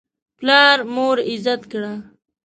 پلار مور عزت کړه.